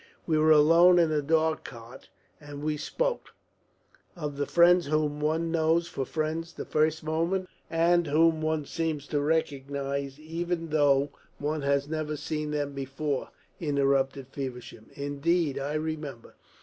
We were alone in the dog cart, and we spoke " "Of the friends whom one knows for friends the first moment, and whom one seems to recognise even though one has never seen them before," interrupted Feversham. "Indeed I remember."